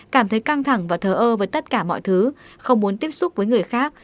cảm thấy căng thẳng và thờ ơ với tất cả mọi thứ không muốn tiếp xúc với người khác